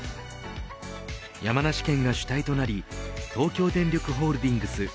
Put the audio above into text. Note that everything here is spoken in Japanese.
山梨県が主体となり東京電力ホールディングス